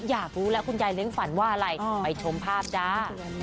อยากรู้แล้วคุณยายเลี้ยงฝันว่าอะไรไปชมภาพจ้า